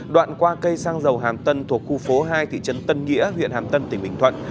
đoạn qua cây xăng dầu hàm tân thuộc khu phố hai thị trấn tân nghĩa huyện hàm tân tỉnh bình thuận